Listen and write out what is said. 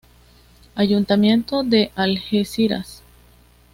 Ayuntamiento de Algeciras.